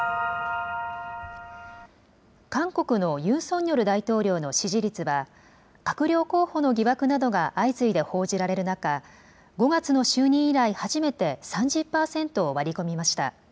韓国のユン・ソンニョル大統領の支持率は、閣僚候補の疑惑などが相次いで報じられる中、５月の就任以来、初めて３０％を割り込みました。